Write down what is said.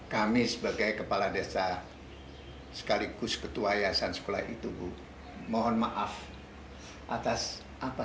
kami sebagai kepala desa sekaligus ketua yayasan sekolah itu bu mohon maaf atas apa